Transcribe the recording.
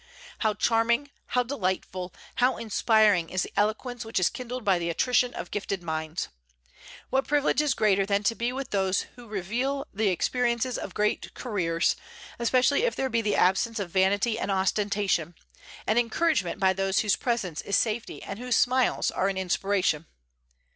How charming, how delightful, how inspiring is the eloquence which is kindled by the attrition of gifted minds! What privilege is greater than to be with those who reveal the experiences of great careers, especially if there be the absence of vanity and ostentation, and encouragement by those whose presence is safety and whose smiles are an inspiration!